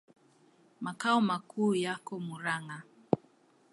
Makao makuu yako Murang'a.